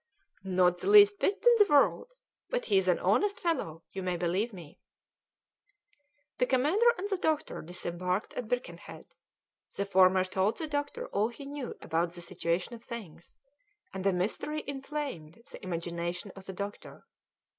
"Not the least bit in the world! But he is an honest fellow, you may believe me." The commander and the doctor disembarked at Birkenhead; the former told the doctor all he knew about the situation of things, and the mystery inflamed the imagination of the doctor.